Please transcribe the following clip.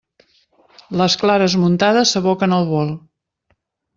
Les clares muntades s'aboquen al bol.